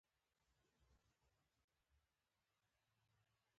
مچان په بدن پکېږي